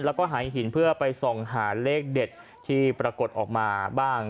แล้วก็หายหินเพื่อไปส่องหาเลขเด็ดที่ปรากฏออกมาบ้าง